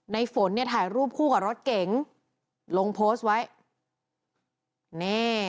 ฝนเนี่ยถ่ายรูปคู่กับรถเก๋งลงโพสต์ไว้นี่